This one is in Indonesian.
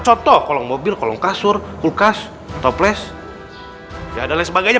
contoh kolong mobil kolong kasur kulkas toples ya dan lain sebagainya